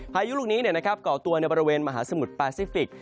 พายุลูกนี้ก่อตัวในบริเวณมหาสมุทรแปซิฟิกส